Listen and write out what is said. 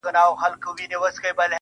ژوند پکي اور دی، آتشستان دی.